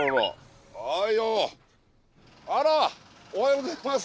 あらおはようございます。